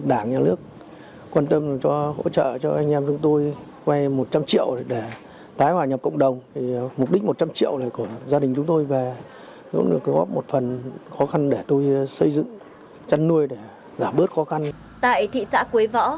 tại thị xã quế võ để thực hiện vay vốn anh tùng đã tìm kiếm việc làm ổn định